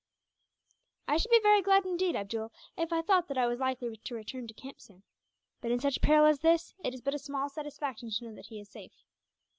"I should be very glad, indeed, Abdool, if I thought that I was likely to return to camp soon. But in such peril as this, it is but a small satisfaction to know that he is safe."